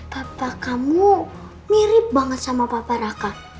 papa kamu mirip banget sama papa raka